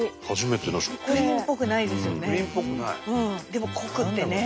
でも濃くてね。